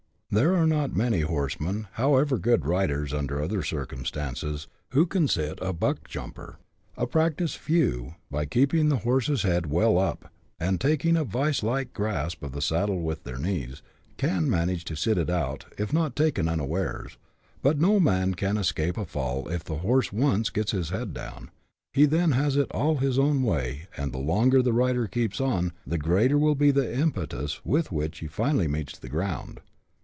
There are not many horsemen, however good riders under other circumstances, who can " sit a buckjumper;" a practised few, by keeping the horse's head well up, and taking a vice like grasp of the saddle with their knees, can manage to sit it out, if not taken unawares ; but no man can escape a fall if the horse once gets his head down — he then has it all his own way, and the longer the rider keeps on, the greater will be the impetus with which he finally meets tlie ground.